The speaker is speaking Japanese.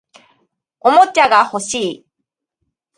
おもちゃが欲しい